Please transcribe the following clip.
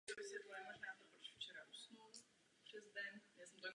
Na vrcholu se objevují i menší skalní výstupky.